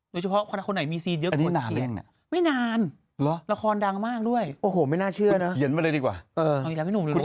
โดยเฉพาะคนไหนมีซีนเยอะกว่าเกลียดไม่นานละครดังมากด้วยโอ้โหไม่น่าเชื่อนะเอาอีกแล้วให้หนุ่มด้วย